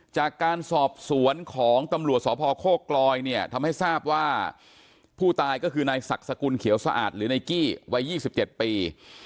จากการสอบสวนของตำรวจสอบภาวโครกรอยเนี่ยทำให้ทราบว่าผู้ตายก็คือในศักดิ์สกุลเขียวสะอาดหรือในกี้วัยยี่สิบเจ็ดปี